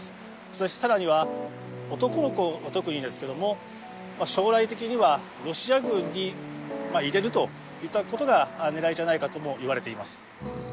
そしてさらには男の子を特にですけども将来的にはロシア軍に入れるといったことが狙いじゃないかともいわれています